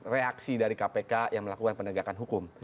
reaksi dari kpk yang melakukan penegakan hukum